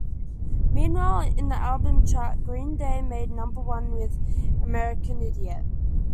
Meanwhile, in the album chart, Green Day made number one with "American Idiot".